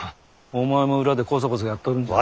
お前も裏でこそこそやっとるんじゃろ？